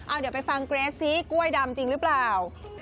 เดี๋ยวไปฟังเกรสซิกล้วยดำจริงหรือเปล่า